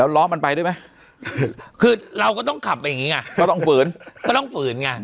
ล้อมันไปด้วยไหมคือเราก็ต้องขับไปอย่างงี้ไงก็ต้องฝืนก็ต้องฝืนไง